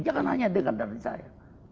jangan hanya dengar dari saya